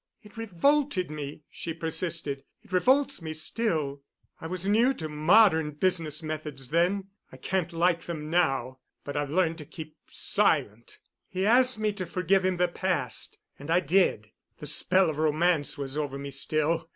"It revolted me," she persisted. "It revolts me still. I was new to modern business methods then. I can't like them now, but I've learned to keep silent. He asked me to forgive him the past, and I did. The spell of romance was over me still.